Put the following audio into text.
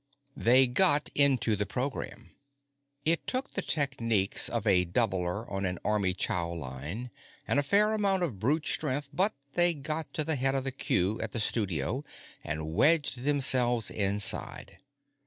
They got into the program. It took the techniques of a doubler on an army chow line and a fair amount of brute strength, but they got to the head of the queue at the studio and wedged themselves inside.